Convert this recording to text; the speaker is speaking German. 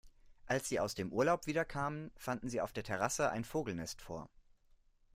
Als sie aus dem Urlaub wiederkamen, fanden sie auf der Terrasse ein Vogelnest vor.